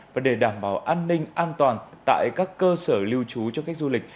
và để đảm bảo an ninh an toàn tại các cơ sở lưu trú cho khách du lịch